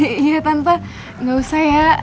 iya tanpa gak usah ya